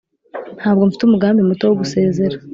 ntabwo mfite umugambi muto wo gusezera.